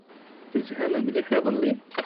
Tezham mliḥ iḍelli?